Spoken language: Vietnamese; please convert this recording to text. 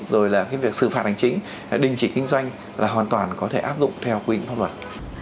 rồi là việc xử phạt hành chính đình chỉ kinh doanh là hoàn toàn có thể áp dụng theo quy định pháp luật